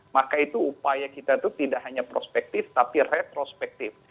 maka itu upaya kita itu tidak hanya prospektif tapi retrospektif